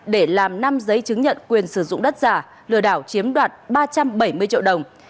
để làm năm giấy chứng nhận quyền sử dụng đất giả lừa đảo chiếm đoạt ba trăm bảy mươi triệu đồng